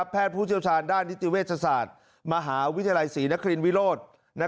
ผู้เชี่ยวชาญด้านนิติเวชศาสตร์มหาวิทยาลัยศรีนครินวิโรธ